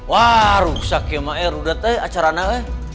wah rusak ya mah ya rudetnya acarana ya